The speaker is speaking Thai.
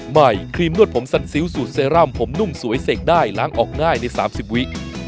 ครีมนวดผมสัดซิ้วสูตรเซรั่มผมนุ่มสวยเสกได้ล้างออกง่ายใน๓๐วิ